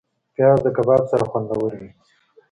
پیاز د کباب سره خوندور وي